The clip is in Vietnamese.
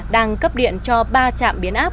đang cấp điện cho ba trạm biến áp